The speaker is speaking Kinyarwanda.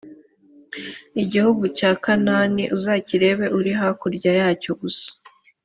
igihugu cya kanahani uzakireba uri hakurya yacyo gusa,